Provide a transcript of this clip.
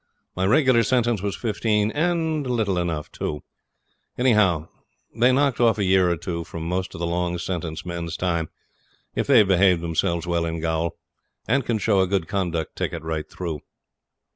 My regular sentence was fifteen, and little enough too. Anyhow, they knock off a year or two from most of the long sentence men's time, if they've behaved themselves well in gaol, and can show a good conduct ticket right through.